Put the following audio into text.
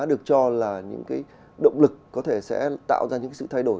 được cho là những cái động lực có thể sẽ tạo ra những sự thay đổi